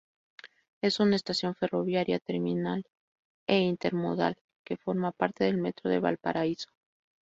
Es una estación ferroviaria terminal e intermodal que forma parte del Metro de Valparaíso.